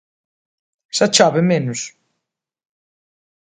Xa chove menos.